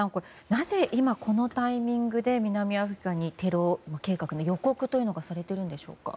なぜ今、このタイミングで南アフリカにテロ計画の予告というのがされているんでしょうか。